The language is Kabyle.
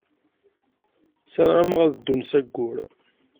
Ssaramen ad ddun s Ayyur.